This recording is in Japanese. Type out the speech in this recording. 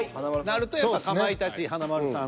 なるとかまいたち華丸さん。